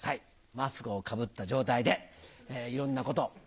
マスクをかぶった状態でいろんなことを。